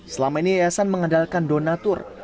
selama ini yayasan mengandalkan donatur